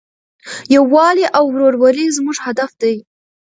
یووالی او ورورولي زموږ هدف دی.